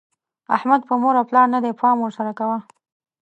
احمد په مور او پلار نه دی؛ پام ور سره کوه.